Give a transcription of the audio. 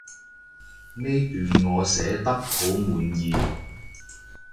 呢段我寫得好滿意